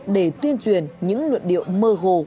để tuyên truyền những luận điệu mơ hồ